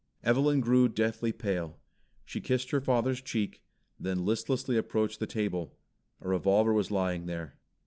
Evelyn grew deathly pale. She kissed her father's cheek, then listlessly approached the table. A revolver was lying there.